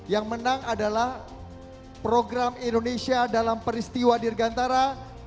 yang menang adalah program indonesia dalam peristiwa dirgantara